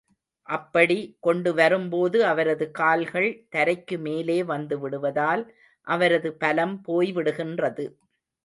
அப்படி கொண்டு வரும்போது, அவரது கால்கள் தரைக்கு மேலே வந்து விடுவதால், அவரது பலம் போய்விடுகின்றது.